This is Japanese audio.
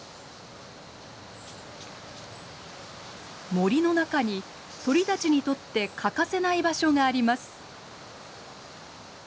森の中に鳥たちにとって欠かせない場所があります。